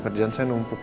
kerjaan saya numpuk